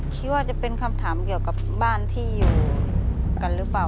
คิดว่าจะเป็นคำถามเกี่ยวกับบ้านที่อยู่กันหรือเปล่า